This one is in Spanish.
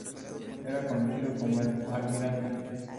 Era conocido como "El Almirante".